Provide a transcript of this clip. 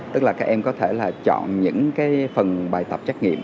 tức là các em có thể là chọn những cái phần bài tập trắc nghiệm